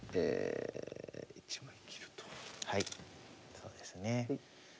そうですね。